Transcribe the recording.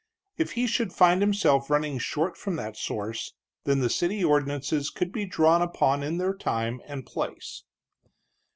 If he should find himself running short from that source, then the city ordinances could be drawn upon in their time and place.